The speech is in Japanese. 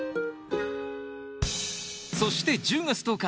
そして１０月１０日